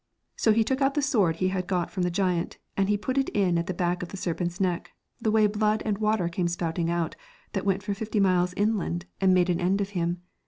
So he took out the sword he had got from the giant, and he put it in at the back of the serpent's neck, the way blood and water came spouting out that went for fifty miles inland, and made an end of him.